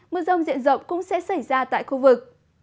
mưa rông diện rộng cũng sẽ xảy ra tại khu vực